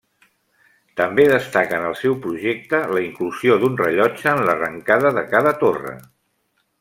També destaca en el seu projecte la inclusió d'un rellotge en l'arrencada de cada torre.